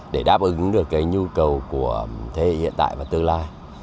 để đáp ứng được cái nhu cầu của thế hệ hiện tại và tương lai